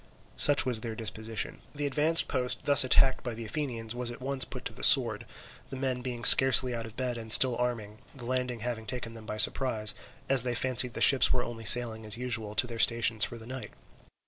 Such was their disposition. The advanced post thus attacked by the Athenians was at once put to the sword, the men being scarcely out of bed and still arming, the landing having taken them by surprise, as they fancied the ships were only sailing as usual to their stations for the night.